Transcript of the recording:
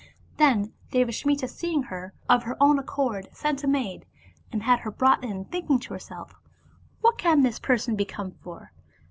Then Devasmita seeing her, of her own accord sent a maid, and had her brought in, thinking to herself, " What can this per son be come for?"